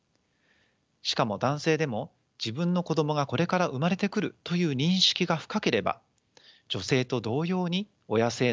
しかも男性でも自分の子どもがこれから生まれてくるという認識が深ければ女性と同様に親性脳が発達します。